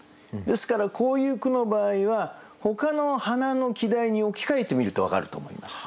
ですからこういう句の場合はほかの花の季題に置き換えてみると分かると思います。